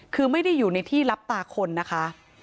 คือไม่ได้อยู่ในที่รับตาคนนะคะ